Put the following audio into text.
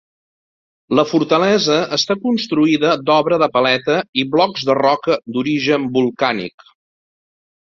La fortalesa està construïda d'obra de paleta i blocs de roca d'origen volcànic.